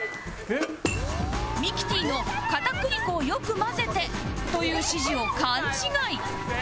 ミキティの「片栗粉をよく混ぜて」という指示を勘違い